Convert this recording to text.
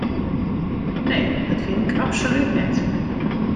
Nee, dat fyn ik absolút net.